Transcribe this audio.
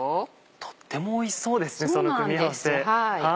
とってもおいしそうですねその組み合わせ。